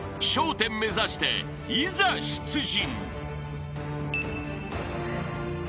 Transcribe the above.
１０目指していざ出陣］